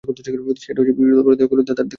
সেটা হচ্ছে বিপ্রদাসবাবুকে দাদার দেখতে যাওয়া।